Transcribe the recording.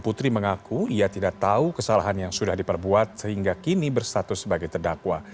putri mengaku ia tidak tahu kesalahan yang sudah diperbuat sehingga kini berstatus sebagai terdakwa